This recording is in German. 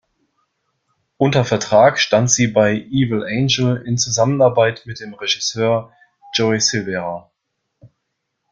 Unter Vertrag stand sie bei Evil Angel in Zusammenarbeit mit dem Regisseur Joey Silvera.